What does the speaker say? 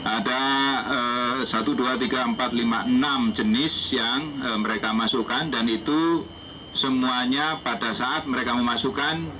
ada satu dua tiga empat lima enam jenis yang mereka masukkan dan itu semuanya pada saat mereka memasukkan